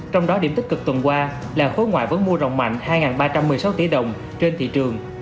trong đó điểm tích cực tuần qua là khối ngoại vẫn mua rồng mạnh hai ba trăm một mươi sáu tỷ đồng trên thị trường